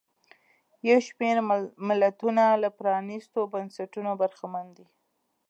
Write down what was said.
یو شمېر ملتونه له پرانیستو بنسټونو برخمن دي.